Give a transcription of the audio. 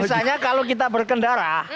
misalnya kalau kita berkendara